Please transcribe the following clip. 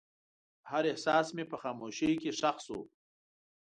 هر احساس مې په خاموشۍ کې ښخ شو.